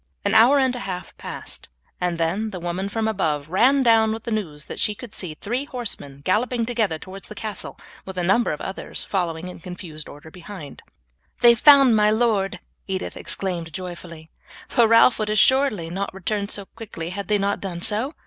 An hour and a half passed, and then the woman from above ran down with the news that she could see three horsemen galloping together towards the castle, with a number of others following in confused order behind. "Then they have found my lord," Edith exclaimed joyfully, "for Ralph would assuredly not return so quickly had they not done so.